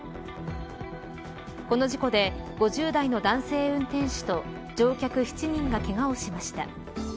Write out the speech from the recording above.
この事故で５０代の男性運転手と乗客７人がけがをしました。